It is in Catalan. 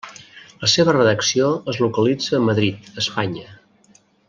La seva redacció es localitza a Madrid, Espanya.